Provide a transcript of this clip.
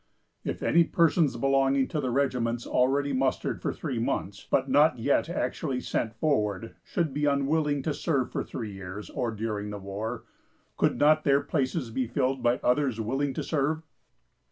If any persons belonging to the regiments already mustered for three months, but not yet actually sent forward, should be unwilling to serve for three years, or during the war, could not their places be filled by others willing to serve?"